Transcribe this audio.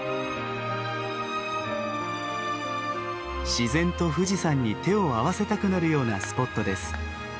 自然と富士山に手を合わせたくなるようなスポットです。